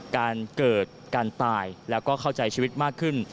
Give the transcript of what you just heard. การเกิดการตายแล้วก็เข้าใจชีวิตมากขึ้น